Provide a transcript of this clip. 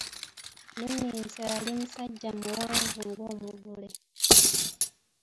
Luminsa yali musajja muwanvu ng'omuvule.